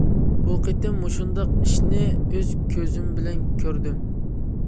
بۇ قېتىم مۇشۇنداق ئىشنى ئۆز كۆزۈم بىلەن كۆردۈم.